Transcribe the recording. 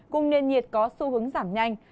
cùng nền nhiệt có xu hướng giảm nhanh